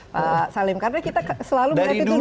pak salim karena kita selalu berarti itu news